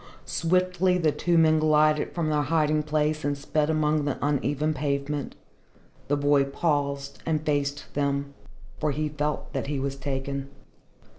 Swiftly the two men glided from their hiding place and sped along the uneven pavement. The boy paused and faced them, for he felt that he was taken.